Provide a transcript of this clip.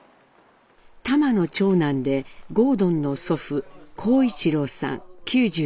タマの長男で郷敦の祖父公一郎さん９２歳。